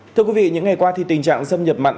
thưa quý vị những ngày qua thì tình trạng xâm nhập mặn